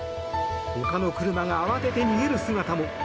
ほかの車が慌てて逃げる姿も。